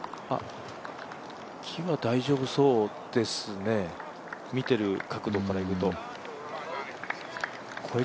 木は大丈夫そうですね、見ている角度からいくと。